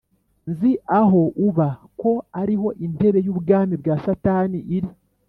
‘Nzi aho uba ko ari ho intebe y’ubwami bwa Satani iri,